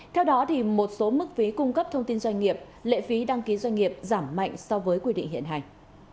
theo đó một số mức phí cung cấp thông tin doanh nghiệp lệ phí đăng ký doanh nghiệp giảm mạnh so với quy định hiện hành